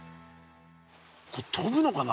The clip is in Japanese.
これとぶのかな？